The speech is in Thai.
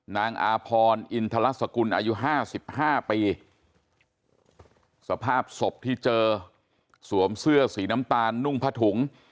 นางอาพรอินทรสกุลอายุห้าสิบห้าปีสภาพศพที่เจอสวมเสื้อสีน้ำตาลนุ่งผ้าถุง